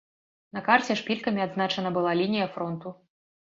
На карце шпількамі адзначана была лінія фронту.